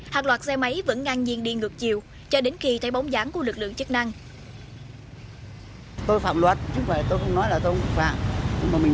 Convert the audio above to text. hàng loạt xe máy vẫn ngang nhiên đi ngược chiều cho đến khi thấy bóng dáng của lực lượng chức năng